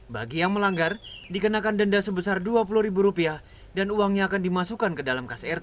bagi yang melanggar dikenakan denda sebesar dua puluh ribu rupiah dan uangnya akan dimasukkan ke dalam ksrt